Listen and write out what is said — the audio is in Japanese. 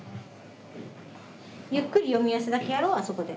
ゆっくり読み合わせだけやろうあそこで。